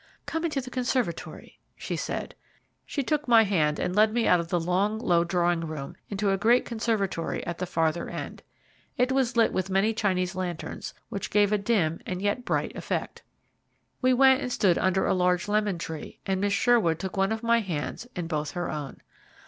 "Come into the conservatory," she said. She took my hand, and led me out of the long, low drawing room into a great conservatory at the farther end. It was lit with many Chinese lanterns, which gave a dim, and yet bright, effect. We went and stood under a large lemon tree, and Miss Sherwood took one of my hands in both her own.